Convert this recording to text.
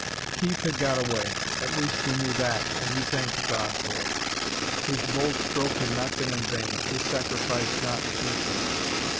Keith had got away. At least he knew that, and he thanked God for it. His bold stroke had not been in vain, his sacrifice not useless.